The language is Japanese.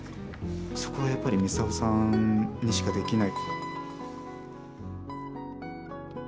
そこはやっぱりミサオさんにしかできない。